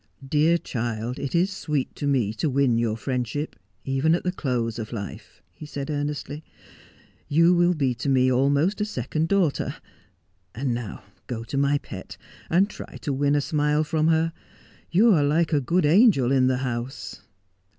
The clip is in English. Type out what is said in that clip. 'Dear child, it is sweet to me to win your friendship, even at the close of life,' he said earnestly. 'You will be to me almost a second daughter. And now go to my pet, and try to win a smile from her. You are like a good angel in the house.'